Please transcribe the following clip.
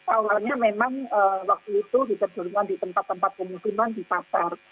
awalnya memang waktu itu diterjunkan di tempat tempat pemungkiman di pasar